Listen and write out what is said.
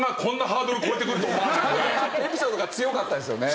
エピソードが強かったですよね。